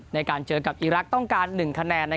ในการเจอกับอีรักษ์ต้องการ๑คะแนน